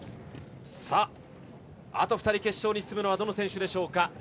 あと２人、決勝に進むのはどの選手でしょうか。